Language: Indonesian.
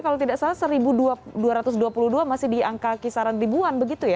kalau tidak salah satu dua ratus dua puluh dua masih di angka kisaran ribuan begitu ya